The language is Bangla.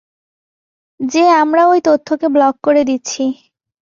যে আমরা ওই তথ্যকে ব্লক করে দিচ্ছি।